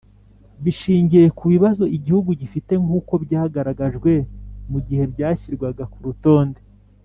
bishingiye ku bibazo igihugu gifite nk'uko byagaragajwe mu gihe byashyirwaga ku rutonde